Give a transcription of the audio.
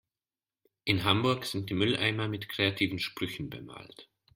In Hamburg sind die Mülleimer mit kreativen Sprüchen bemalt.